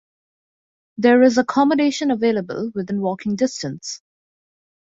There is accommodation available within walking distance.